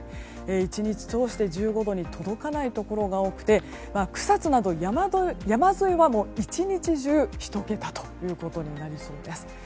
１日通して１５度に届かないところが多くて草津など山沿いは１日中１桁ということになりそうです。